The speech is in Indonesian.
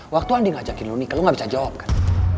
waktu andi ngajakin lo nikah lo gak bisa jawabkan